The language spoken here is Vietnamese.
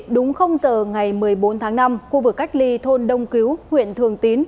đúng giờ ngày một mươi bốn tháng năm khu vực cách ly thôn đông cứu huyện thường tín